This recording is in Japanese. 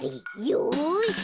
よし。